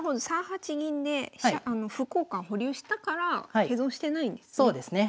３八銀で歩交換保留したから手損してないんですね。